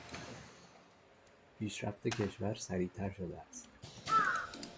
پیشرفت کشور سریعتر شده است.